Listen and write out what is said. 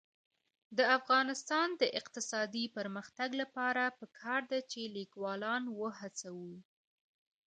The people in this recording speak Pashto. د افغانستان د اقتصادي پرمختګ لپاره پکار ده چې لیکوالان وهڅوو.